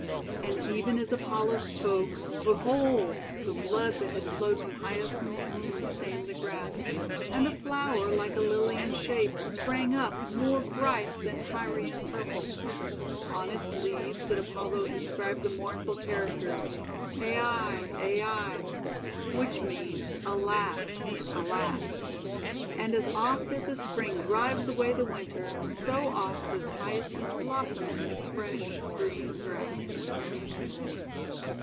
And even as Apollo spoke, behold! the blood that had flowed from Hyacinth's wound stained the grass, and a flower, like a Lily in shape, sprang up, more bright than Tyrian purple. On its leaves did Apollo inscribe the mournful char acters: "ai, ai," which mean "alas! al£s!" And as oft as the Spring drives away the Winter, so oft does Hyacinth blossom in the fresh, green grass.